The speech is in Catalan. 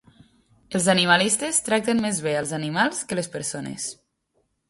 Els animalistes tracten més bé els animals que les persones